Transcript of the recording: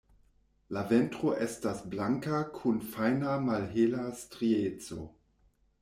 La ventro estas blanka kun fajna malhela strieco.